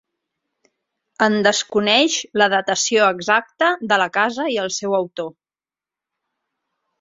En desconeix la datació exacta de la casa i el seu autor.